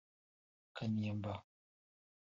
Kanimba